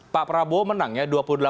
pak prabowo menang ya